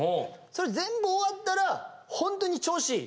それ全部終わったらホントに調子いい。